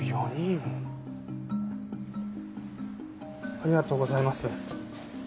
ありがとうございます。